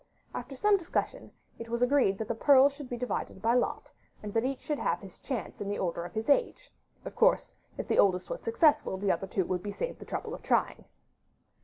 After some discussion, it was agreed that the pearls should be divided by lot, and that each should have his chance in the order of his age: of course, if the oldest was successful the other two would be saved the trouble of trying.